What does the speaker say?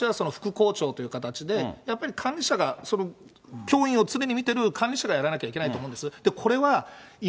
ですから校長、教頭ないしは副校長という形で、やっぱり管理者が、その教員を常に見てる管理者がやらなきゃいけないと思うんです。